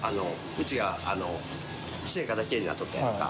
うちは青果だけになっとったやんか。